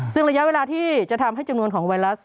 ซึ่งระยะเวลาที่จะทำให้จำนวนของไวรัส